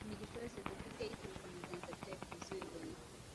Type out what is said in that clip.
Imigisha yose dufite ituruka mu biganza byayo byuzuye ubuntu.